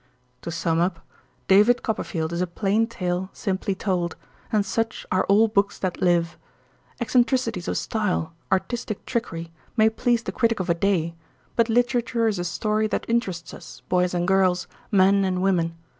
To sum up, "David Copperfield" is a plain tale, simply told; and such are all books that live. Eccentricities of style, artistic trickery, may please the critic of a day, but literature is a story that interests us, boys and girls, men and women.